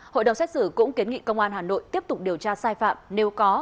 hội đồng xét xử cũng kiến nghị công an hà nội tiếp tục điều tra sai phạm nếu có